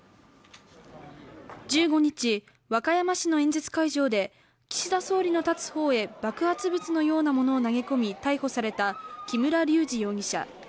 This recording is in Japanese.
１５日、和歌山市の演説会場で岸田総理の立つ方へ爆発物のようなものを投げ込み逮捕された木村隆二容疑者。